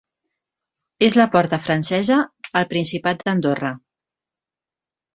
És la porta francesa al Principat d'Andorra.